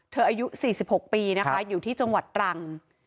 อายุ๔๖ปีนะคะอยู่ที่จังหวัดตรัง